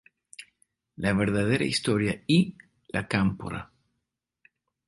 La verdadera historia" y "La Cámpora.